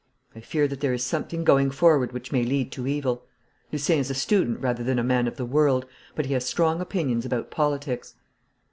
I fear that there is something going forward which may lead to evil. Lucien is a student rather than a man of the world, but he has strong opinions about politics.'